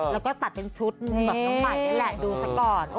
แบบน้องไฟนี่แหละดูซักก่อน